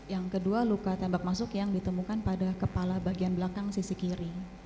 yang kedua luka tembak masuk yang ditemukan pada kepala bagian belakang sisi kiri